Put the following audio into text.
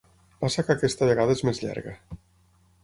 Passa que aquesta vegada és més llarga.